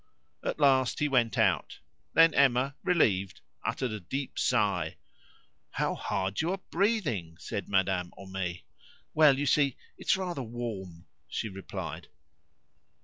At last he went out. Then Emma, relieved, uttered a deep sigh. "How hard you are breathing!" said Madame Homais. "Well, you see, it's rather warm," she replied.